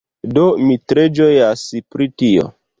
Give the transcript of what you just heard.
Do, mi tre ĝojas pri tio